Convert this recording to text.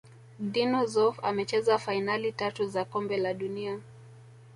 dino Zoff amecheza fainali tatu za kombe la dunia